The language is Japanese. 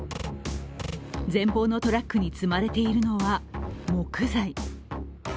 前方のトラックに積まれているのは木材。